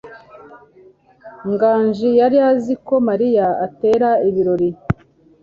Nganji yari azi ko Mariya atera ibirori.